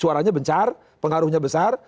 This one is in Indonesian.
suaranya bencar pengaruhnya besar